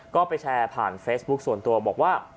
ก็ไปแชร์ผ่านเฟซบุ๊คส่วนตัวบอกว่า